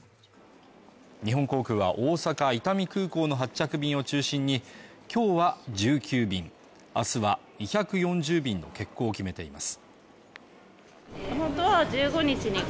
日本航空は大阪・伊丹空港の発着便を中心に今日は１９便明日は２４０便の欠航を決めています